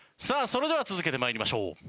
さあそれでは続けて参りましょう。